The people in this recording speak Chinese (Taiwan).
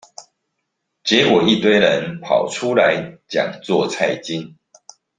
結果一堆人跑出來講做菜經